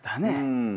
うん。